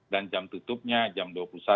dan jam tutupnya jam dua puluh satu